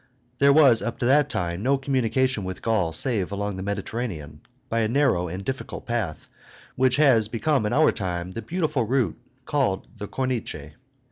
There was up to that time no communication with Gaul save along the Mediterranean, by a narrow and difficult path, which has become in our time the beautiful route called the Corniche.